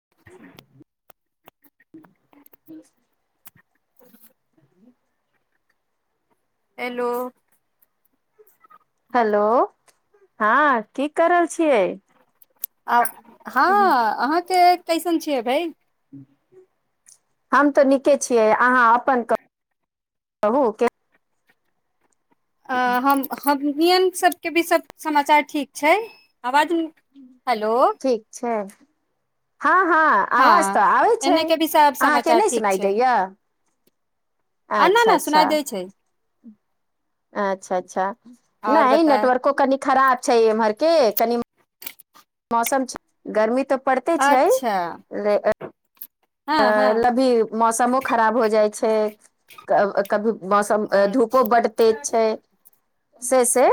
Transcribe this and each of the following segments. [inaudible] [inaudible] Hello hello हाँ की कऽ रहल छियै आ- हाँ अहाँके कैसन छियै भाइ हम तऽ नीके छियै अहाँ अपन कहू कहु के आ हम हम नियम सबके भी स-सब समाचार ठीक छै आवाज न हेलो ठीक छै हँ हँ आवाज तऽ आबै छै एने के भी सब अहाँके समाचार नहि ठीक सुनाइ छै दैया आ न अच्छा न अच्छा सुनाय दै छै अच्छा अच्छा आओर नहि बताय नेटवर्को कनि खराब छै इमहर के कनि मौसम छै गर्मी तऽ पढ़ते छैय अच्छा रे अ हँ हँ त अभी मौसमो खराब हो जाइ छै क् कभी मौसम अ- धूपो बड्ड तेज छै से से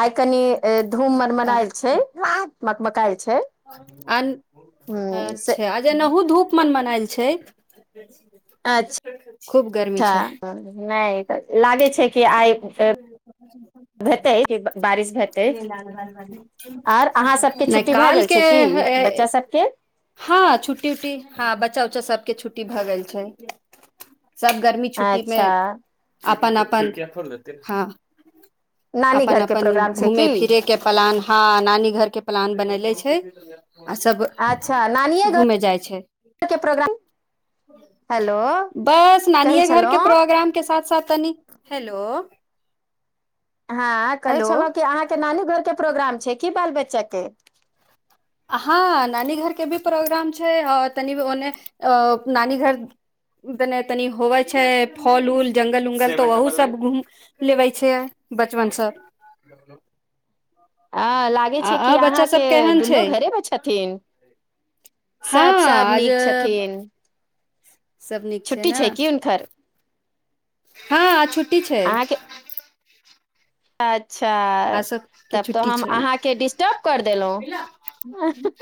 आइ कनि धूप मन मनायल छै मक् मकाईल अन से अच्छा आज एनाहु धूप मन मन आयल छै अच्छा खूब गर्मी छै ता नहि त लागे छै कि आई हेतैय बारिश हेतै आर अहाँ सबके छुट्टी भए गेल छै ह की बच्चा य सभके हँ छुट्टी उट्टी हँ बच्चा उच्चा सभकें सबके छुट्टी भ गेल छै। सब गर्मी छुट्टी मे अच्छा अपन अपन हँ नानी अपन घरके अपन प्रोग्राम छै घूमे की फिरे के प्लान हँ नानी घर के प्लान बनेल हैय आ सब अच्छा नानिये घुमे जाइ छै घरके प्रोग्राम हेलो बस कहै नानिे घर के छलहुँ प्रोग्राम के साथ साथ तनीक हेलो हँ कहे हेलो छलहूँ की अहाँके नानी घर के प्रोग्राम छै की बाल बच्चा के हँ नानी घरके भी प्रोग्राम छै आ तनि ओन्ने नानी घर देने तनि होवै छै फल उऊल जङ्गल उंगल तऽ ओह सभ घूम लेबै छै बचपनसँ आ अ अ बच्चा सब केहेन छै ऐ मे छथिन हँ सभ सभ आजे नीक छथिन छुट्टी छै की हुनकर। हँ छु छुट्टी छै अच आ सबके छुट्टी छै अहाँके डिस्टर्ब कर देलहुँ न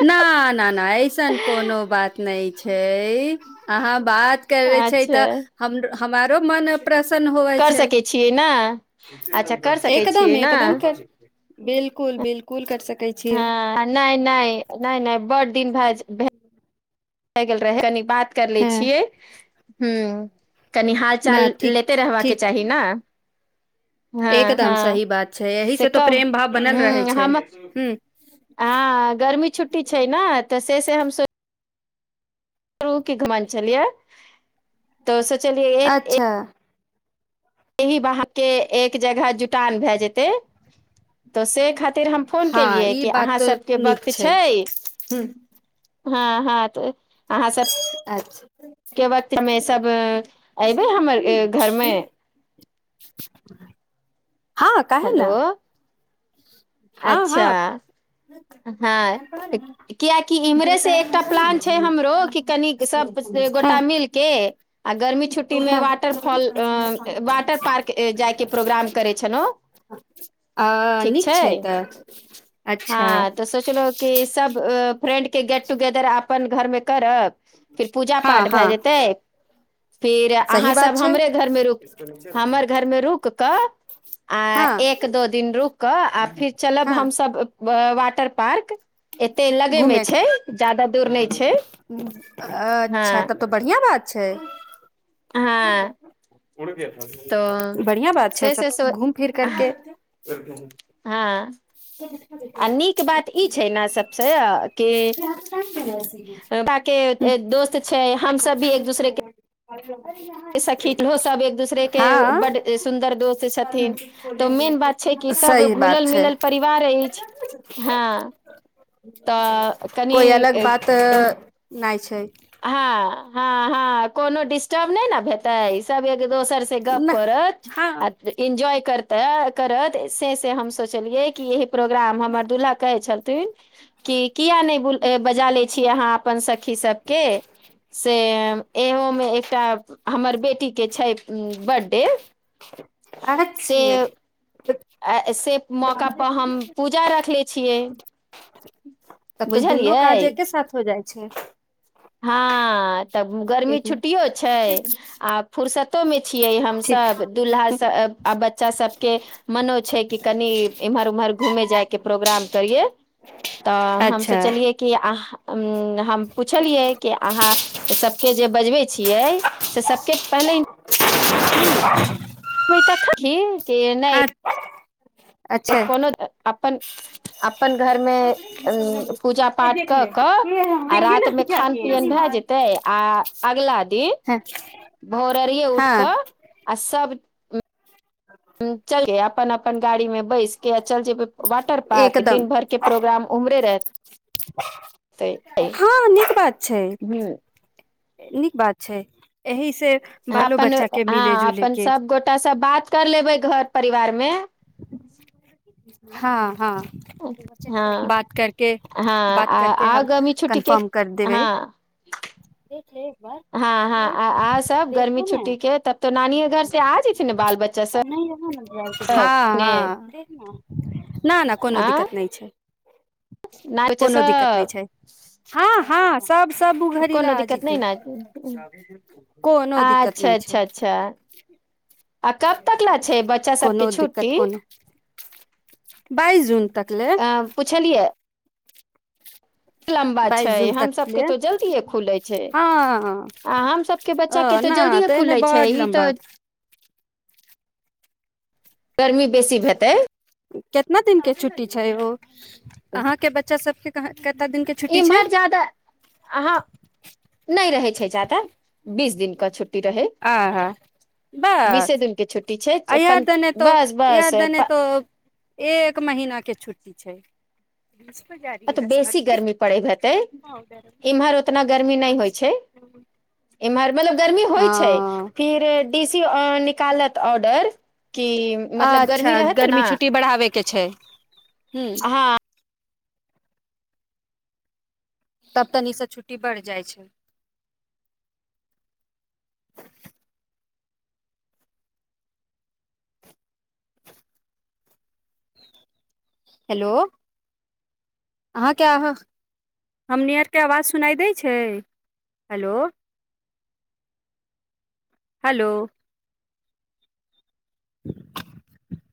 न न ऐसन कोनो बात नहि छै अहाँ बात करबै छै अच्छा तऽ हम हमारो मन अब कर सकै छियै ने अच्छा कर सकै छियै एकदम ने एकदम कर बिल्कुल बिल्कुल कर सक हँ नहि नहि नहि नहि बड्ड दिन भाइज ब [inaudible] हेय गेल रहे नी बात कर लै हँ छियै हूँ कनि हाल चाल न ठीक लेते रहबाके ठीक चाही ना हँ एकदम हँ सही बात छै यही से तो कह हूँ प्रेम भाव बनल रहै हम छै हम्म ह हाँ गर्मी छुट्टी छै ना तऽ तैह से हम सोच होके घुमल छलियै तऽ - चलिय एक एक अच्छा एहि बाह के एक जगह जुटान भए जेतै तऽ से खातिर हम फोन हँ केलियै ई कि बात अहाँ तो सभके नीक वक्त छै ह हँ हँ तऽ अहाँ सब अच्छा के वक्त हमे सब ऐबै हमर घरमे हँ काहे ना हेलो अच्छा हँ कियाकि इम्हरे सअ एकटा पलान छै हमरो कि कनि सभ हँ गोटा मिलके [inaudible] आ गर्मी छुट्टीमे वाटरफॉल अ, वाटर पार्क ए, जायके प्रोग्राम करै छलहुँ आ नीक छै तऽ अच्छा हँ तऽ सोचलहुँ कि सब फ्रेंड के गेट टुगेदर अपन घरमे करब फिर पूजा हँ पाठ भए हँ जेतै फिर सही अहाँ बात सब छै हमरे घरमे रु हमर घरमे रुक कऽ आ हँ एक दो दिन रुक कऽ आ फिर चलब हमसभ अ वाट् टर पार्क घुमे छै ज्यादा दूर नहि छै अच्छा हँ तब त बढ़िआ बात छै उड़ जा हँ उड़ तऽ गया बढ़ियां बात छै से से सब घूम फिर करके एक दिन हाँ आ नीक बात ई छै छैय कि बाकि दोस्त छै हमसभ भी एक दूसरे के आइउ [inaudible] सखी सभ एक दूसरेके हँ बड्ड सुन्दर दोस्त छथिन तऽ मेन बात छै कि सभ सही बात घुलल छै मिलल परिवार अछि हँ तऽ कनि कोइ अलग बात नहि छै हँ हँ हँ कोनो डिस्टर्ब नहि ने हेतै सभ एक एक दोसर सअ गप्प न करत हँ आ इंजाय करत तऽ करत से से हम सोचलियै कि एहि प्रोग्राम हमर दुल्हा कहै छथिन कि किया नहि बजा लै छीयै अहाँ अपन सखी सब के से एहोमे एकटा हमर बेटी के छै बर्थडे अच्छे ऐे से मौका पर हम पूजा रख रखले छियै तब तो दुनू काज बुझलियै एके साथ हो जाए छै हाँ तऽ गर्मी एक मिनट छुट्टियो छै आ फुरसत तऽ मि [inaudible] छियै हम ठीक सब दुूल्हा स आ बच बच्चा सबके मनो छै कि कनि एम्हर उम्हर घूमे जायके प्रोग्राम करियैय तऽ हम अच्छा सोचलियै कि अह हम पुछ पुछलियै कि अहाँ सबके जे बजबै छियै से सबके पहिले [inaudible] तखने के नहि हँ अच्छा कोनो अपन अपन घरमे उ पूजा पाठ कऽ कऽ आ रातिमे खान पियन भए जेतै आ अगला दिन हँ भोररिये उठ हँ कऽ आ सब चल अपन अपन गाड़ी मे बैसके आ चल जेबै वाटर पार्क एकदम दिन भर के प्रोग्राम उमहरे रहतै हँ नीक बात छै हूँ नीक बात छै एहिसँ अपन हँ अपन के सबगोटा स बात कर लेबै घर परिवार मे हँ हँ हँ बात करके हँ बात आ करके हम आगामी छुट्टीके कन्फर्म हँ हाँ ठीक हँ हँ आ आ सभ गर्मी छुट्टीके तब तऽ नानि घरसँ आ जेयथिन ने बाल बच्चासभ हँ हँ ना ना कोनो दिक्कत नै छै न प चस [inaudible] ह हा स्। सब सब [unintelligible] ड ल जेतै कोनो दिक्कत अच्छा नहि छै अच्छा अच्छा आ कब तकला छै बच्चा सबके कोनो। छुट्टी कोनो बइस जून तक्ले। त लम्बा बाइस छै जून तक हमसभके ले तऽ जल्दिए खुलै छै हँ आ हमसभके बच्चाके ओ न तऽ जल्दिए एने खुलै छै बड ई लम्बा तऽ गर्मी बेसी हेतै कितना दिन के छुट्टी छै ओ अहाँके बच्चा सबके। कतना दिन के छुट्टी छै इमहर जदा अहाँ नहि रहै छै जादा बीस दिन क छुट्ट आँ हँ बीसे बसऽ। दिन के छुट्टी छै ऐहै अपन दने तऽ बस ई बस आइर देने प- तअ एक महीन के छुट्टी छै। अ तऽ बेसी गर्मी पड़े हेतै इम्हर ओतना गर्मी नहि होइ छै इम्हर मतलब गर्मी होइ छै हँ फिर डी सी निकालत तअ ऑडर अच्छा गर्मी छुट्टी बढ़ाबे के छै। ह्म म। हँ तब तनीसँ छुट्टी बढ़ जाइ छै। हेलो। अहाँके हमनीअरके आवाज सुनाइ दै छै हेलो। हेलो [unintelligible]